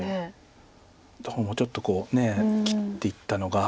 どうもちょっとこう切っていったのが。